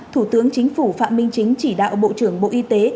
thủ tướng chính phủ phạm minh chính chỉ đạo bộ trưởng bộ y tế